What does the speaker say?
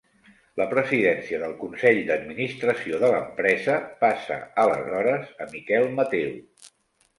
La presidència del consell d'administració de l'empresa passa aleshores a Miquel Mateu.